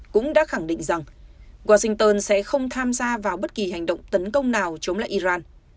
cũng đã khẳng định rằng washington sẽ không tham gia vào bất kỳ hành động tấn công nào chống lại iran